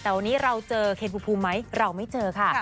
แต่วันนี้เราเจอเคนภูมิไหมเราไม่เจอค่ะ